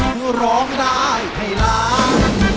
คือร้องได้ให้ล้าน